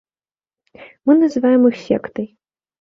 Мы называем іх сектай.